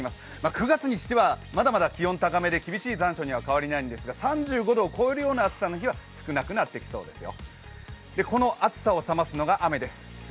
９月にしてはまだまだ気温高めで厳しい残暑には変わりないんですが３５度を超えるような暑さの日は少なくなってきそうですよ。